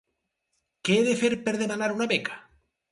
Què he de fer per demanar una beca?